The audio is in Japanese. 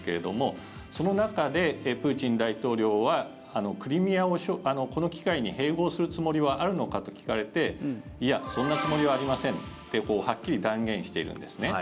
市民の抵抗で逃げ出して混乱状態に陥るんですけれどもその中でプーチン大統領はクリミアをこの機会に併合するつもりはあるのかと聞かれてそんなつもりはありませんってはっきり断言しているんですね。